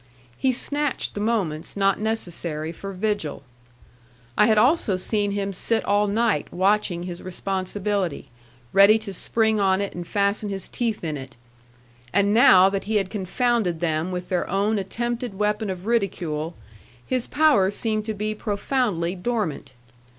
He snatched the moments not necessary for vigil. I had also seen him sit all night watching his responsibility, ready to spring on it and fasten his teeth in it. And now that he had confounded them with their own attempted weapon of ridicule, his powers seemed to be profoundly dormant.